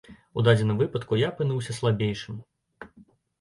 У дадзеным выпадку я апынуўся слабейшым.